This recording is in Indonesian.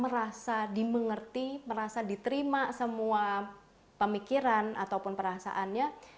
merasa dimengerti merasa diterima semua pemikiran ataupun perasaannya